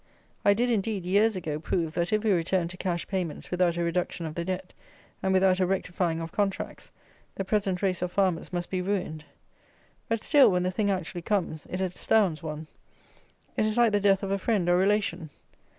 I did, indeed, years ago, prove, that if we returned to cash payments without a reduction of the Debt, and without a rectifying of contracts, the present race of farmers must be ruined. But still, when the thing actually comes, it astounds one. It is like the death of a friend or relation.